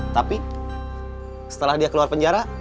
tapi setelah dia keluar penjara